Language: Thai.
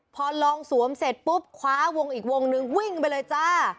พอลองสวมเสร็จปุ๊บคว้าวงอีกวงนึงวิ่งไปเลยจ้า